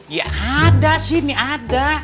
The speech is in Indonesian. ya ada sih nih ada